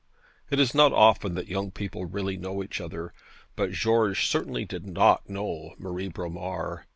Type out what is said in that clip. It is not often that young people really know each other; but George certainly did not know Marie Bromar.